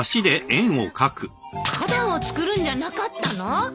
花壇を作るんじゃなかったの？